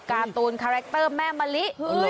การ์ตูนคาแรคเตอร์แม่มะลิ